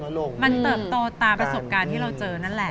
มันเติบโตตามประสบการณ์ที่เราเจอนั่นแหละ